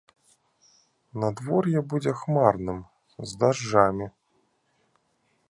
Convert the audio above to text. Надвор'е будзе хмарным, з дажджамі.